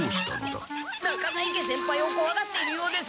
中在家先輩をこわがっているようです。